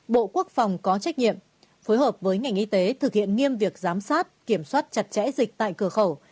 bộ quốc phòng có trách nhiệm phối hợp với ngành y tế thực hiện nghiêm việc giám sát kiểm soát chặt chẽ dịch tại cửa khẩu